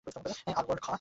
আল-ওয়াল্ড খ।